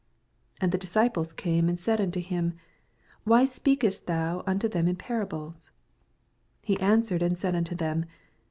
10 And the disciples came, and said unto him, Why speakest triou unto them in parables ? 11 He answered and said unto them.